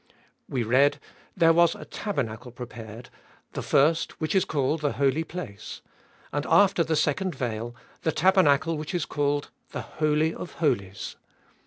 We read: There was a tabernacle prepared, the first, which is called the Holy Place. And after the second veil, the tabernacle which is called the Holy of Holies.